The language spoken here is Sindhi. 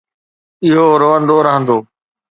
اهو روئندو رهندو.